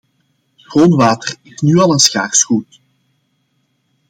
Schoon water is nu al een schaars goed.